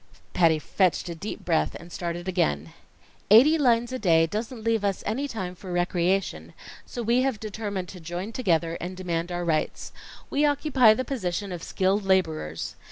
Patty fetched a deep breath and started again. "Eighty lines a day doesn't leave us any time for recreation, so we have determined to join together and demand our rights. We occupy the position of skilled laborers.